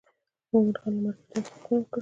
مومن خان له مرکچیانو څخه پوښتنه وکړه.